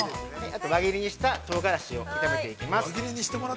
◆あと輪切りにしたとうがらしを炒めていきます。